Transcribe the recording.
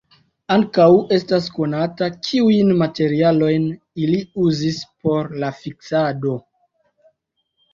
Ankaŭ estas konata, kiujn materialojn ili uzis por la fiksado.